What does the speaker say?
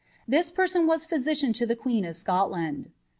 This person was physician to the queen of Scotland.'